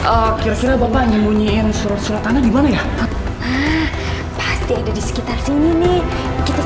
akhirlya bapak ngemunyiin surat surat tanah dimana ya soldier dia